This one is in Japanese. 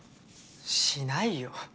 しないよ。